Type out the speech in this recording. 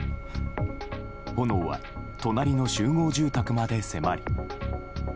炎は隣の集合住宅まで迫り。